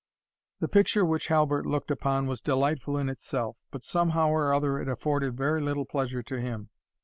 The picture which Halbert looked upon was delightful in itself, but somehow or other it afforded very little pleasure to him.